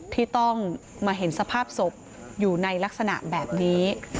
ที่ต้องมาเห็นสภาพศพอยู่ในลักษณะแบบนี้